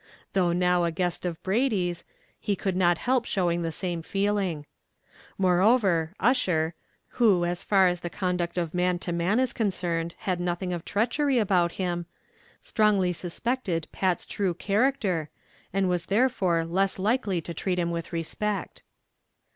Though now a guest of Brady's, he could not help showing the same feeling. Moreover, Ussher, who as far as the conduct of man to man is concerned had nothing of treachery about him, strongly suspected Pat's true character, and was therefore less likely to treat him with respect.